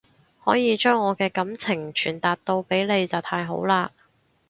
可以將我嘅感情傳達到俾你就太好喇